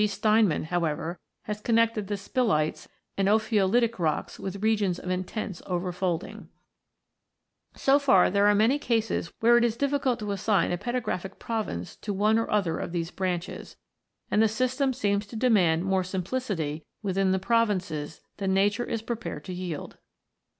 Steinmann(87), however, has connected the spilites and "ophiolitic" rocks with regions of intense over folding (see also p. 118). So far, there are many cases where it is difficult to assign a petrographic province to one or other of these branches, and the system seems to demand more simplicity within the provinces than nature is prepared to yield.